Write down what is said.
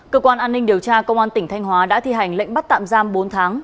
cơ quan an ninh điều tra công an tỉnh thanh hóa đã thi hành lệnh bắt tạm giam bốn tháng